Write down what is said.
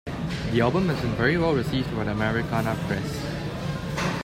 The album has been very well received by the Americana press.